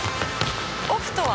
「オフとは？」